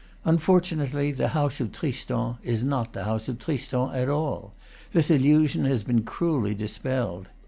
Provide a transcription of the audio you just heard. Unfortunately the house of Tristan is not the house of Tristan at all; this illusion has been cruelly dispelled.